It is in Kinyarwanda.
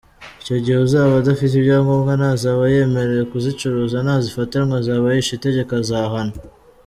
Icyo gihe uzaba adafite ibyangombwa ntazaba yemerewe kuzicuruza, nazifatanwa azaba yishe itegeko azahanwa”.